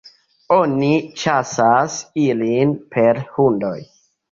Oni ĉasas ilin per hundoj.